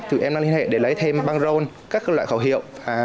tụi em đã liên hệ để lấy thêm băng rôn các loại khẩu hiệu